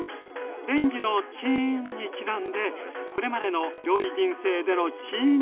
レンジの「チーン」にちなんでこれまでの料理人生でのチーン